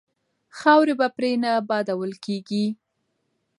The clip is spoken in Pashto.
خاورې به پرې نه بادول کیږي.